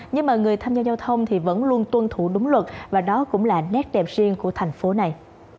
nhưng mà người tham gia giao thông thì vẫn luôn tuân thủ đúng luật và đó cũng là nét đẹp riêng của thành phố này